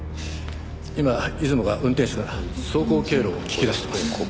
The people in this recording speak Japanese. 今出雲が運転手から走行経路を聞き出してます。